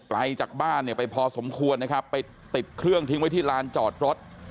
ไกลจากบ้านเนี่ยไปพอสมควรนะครับไปติดเครื่องทิ้งไว้ที่ลานจอดรถ